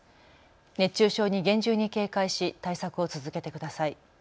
熱中症に厳重に警戒し対策を続けてください。